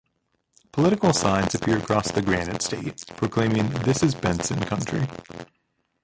Political signs appeared across the Granite State proclaiming This is Benson Country.